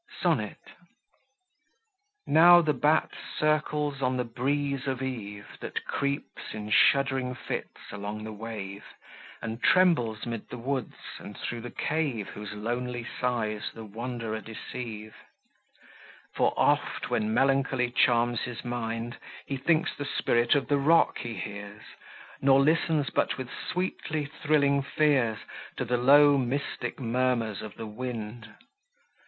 SONNET Now the bat circles on the breeze of eve, That creeps, in shudd'ring fits, along the wave, And trembles 'mid the woods, and through the cave Whose lonely sighs the wanderer deceive; For oft, when melancholy charms his mind, He thinks the Spirit of the rock he hears, Nor listens, but with sweetly thrilling fears, To the low, mystic murmurs of the wind!